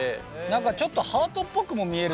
ちょっとハートっぽくも見える。